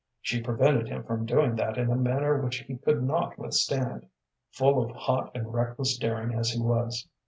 She prevented him from doing that in a manner which he could not withstand, full of hot and reckless daring as he was.